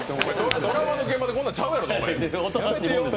ドラマの現場でこんなんちゃうやろ、お前。